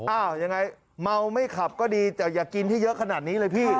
ยังไงเมาไม่ขับก็ดีแต่อย่ากินให้เยอะขนาดนี้เลยพี่